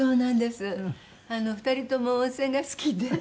２人とも温泉が好きで。